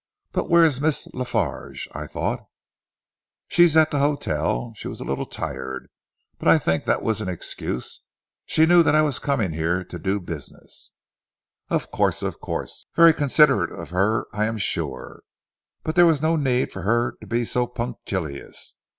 But where is Miss La Farge? I thought " "She is at the hotel. She was a little tired, but I think that was an excuse. She knew that I was coming here to do business " "Of course! Of course! Very considerate of her I am sure; but there was no need for her to be so punctilious.